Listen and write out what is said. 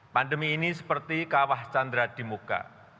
pandemi ini seperti kawah chandra di muka